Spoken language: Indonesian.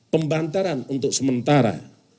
pembantaran untuk sementara